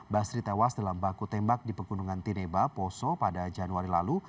basri tewas dalam baku tembak di pegunungan tineba poso pada januari lalu